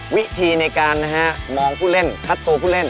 วิธีในการมองผู้เล่นคัดตัวผู้เล่น